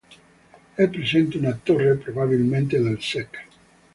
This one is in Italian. È presente una torre probabilmente del sec.